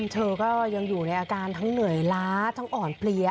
เธอก็ยังอยู่ในอาการทั้งเหนื่อยล้าทั้งอ่อนเพลีย